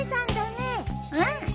うん。